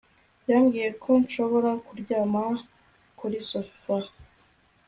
Yambwiye ko nshobora kuryama kuri sofa